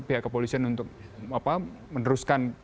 pihak kepolisian untuk meneruskan